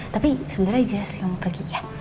tapi sebenernya jess yang mau pergi ya